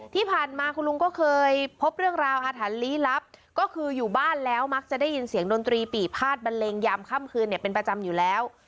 ที่ผ่านมาคุณลุงก็เคยพบเรื่องราวอาถรรพลี้ลับก็คืออยู่บ้านแล้วมักจะได้ยินเสียงดนตรีปี่พาดบันเลงยามค่ำคืนเนี่ยเป็นประจำอยู่แล้ว